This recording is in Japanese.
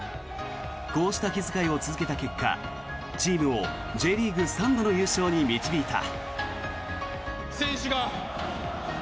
こうした気遣いを続けた結果チームをＪリーグ３度の優勝に導いた。